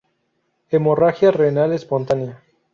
Hemorragia renal espontánea